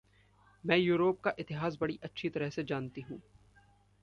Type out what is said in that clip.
मैं युरोप का इतिहास बड़ी अच्छी तरह से जानती हूँ।